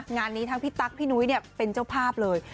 งานนี้ทั้งพี่ตั๊กพี่นุ้ยเป็นเจ้าภาพเลย